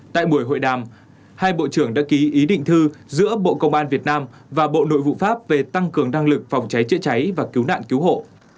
tại buổi hội đàm hai bộ trưởng đã ký ý định thư giữa bộ công an việt nam và bộ nội vụ pháp về tăng cường năng lực phòng cháy chữa cháy và cứu nạn cứu hộ